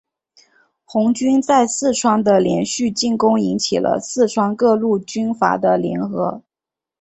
红军在四川的连续进攻引起了四川各路军阀的联合。